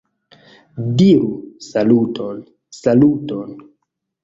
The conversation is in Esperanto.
- Diru "Saluton"! - "Saluton"!